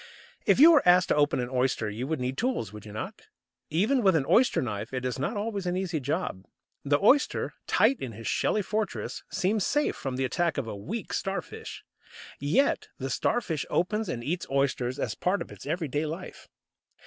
If you were asked to open an oyster you would need tools, would you not? Even with an oyster knife it is not always an easy job. The oyster, tight in his shelly fortress, seems safe from the attack of a weak Starfish. Yet the Starfish opens and eats oysters as part of its everyday life.